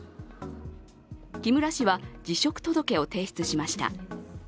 木村氏は辞職届を提出しました。